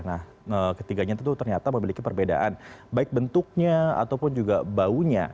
nah ketiganya tentu ternyata memiliki perbedaan baik bentuknya ataupun juga baunya